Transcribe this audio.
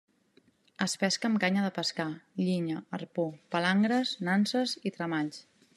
Es pesca amb canya de pescar, llinya, arpó, palangres, nanses i tremalls.